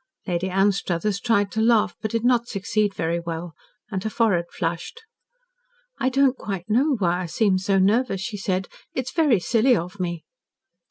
Lady Anstruthers tried to laugh, but did not succeed very well, and her forehead flushed. "I don't quite know why I seem so nervous," she said. "It's very silly of me."